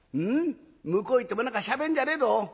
向こう行っても何かしゃべんじゃねえぞ。